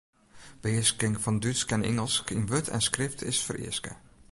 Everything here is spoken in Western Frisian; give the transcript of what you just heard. Behearsking fan Dútsk en Ingelsk yn wurd en skrift is fereaske.